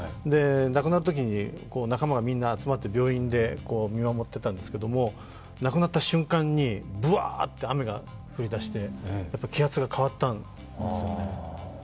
亡くなるときに仲間がみんな集まって病院で見守ってたんですけども亡くなった瞬間にぶわーっと雨が降り出してやっぱ気圧が変わったんですね。